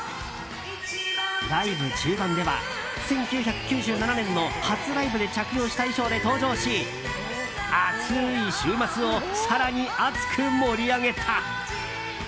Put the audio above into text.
ライブ中盤では１９９７年の初ライブで着用した衣装で登場し暑い週末を更に熱く盛り上げた。